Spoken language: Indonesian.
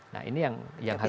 nah ini yang harus